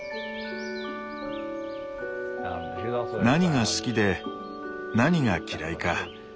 何が好きで何が嫌いか。